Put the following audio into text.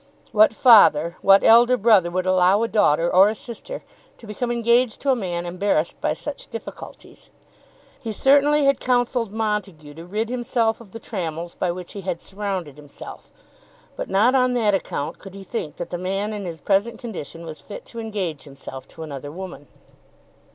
What father, what elder brother would allow a daughter or a sister to become engaged to a man embarrassed by such difficulties? He certainly had counselled Montague to rid himself of the trammels by which he had surrounded himself; but not on that account could he think that the man in his present condition was fit to engage himself to another woman.